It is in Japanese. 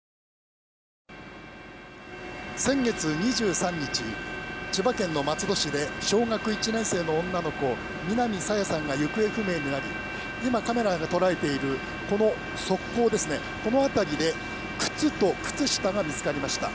先月２３日千葉県の松戸市で小学１年生の女の子南朝芽さんが行方不明になり今カメラが捉えているこの側溝この辺りで靴と靴下が見つかりました。